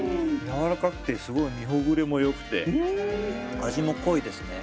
柔らかくてすごい身ほぐれもよくて味も濃いですね。